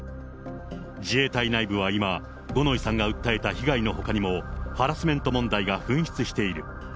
自衛隊内部は今、五ノ井さんが訴えた被害のほかにも、ハラスメント問題が噴出している。